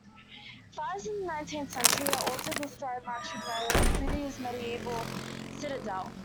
Fires in the nineteenth century also destroyed much of the city's medieval citadel.